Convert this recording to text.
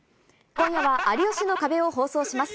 今夜は、有吉の壁を放送します。